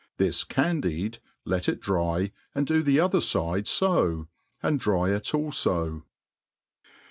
This candied, let it dry, and do the other fide fo, .and dry it alfo.